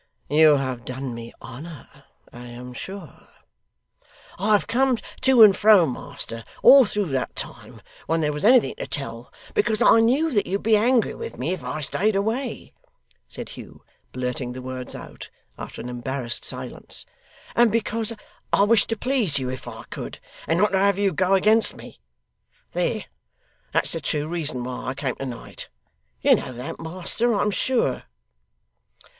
'You have done me honour, I am sure.' 'I have come to and fro, master, all through that time, when there was anything to tell, because I knew that you'd be angry with me if I stayed away,' said Hugh, blurting the words out, after an embarrassed silence; 'and because I wished to please you if I could, and not to have you go against me. There. That's the true reason why I came to night. You know that, master, I am sure.